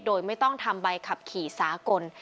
โดยไม่ต้องทำใบขับขี่สากล